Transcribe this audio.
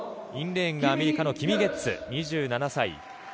インレーンアメリカのキミ・ゲッツ２７歳。